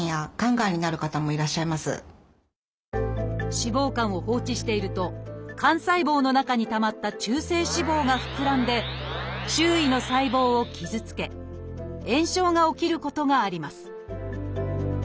脂肪肝を放置していると肝細胞の中にたまった中性脂肪が膨らんで周囲の細胞を傷つけ炎症が起きることがあります。